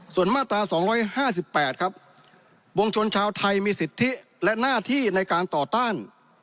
ส่วนมาตราสองร้อยห้าสิบแปดครับวงชนชาวไทยมีสิทธิและหน้าที่ในการต่อต้าน